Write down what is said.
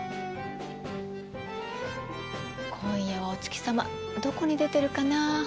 今夜はお月様どこに出てるかな。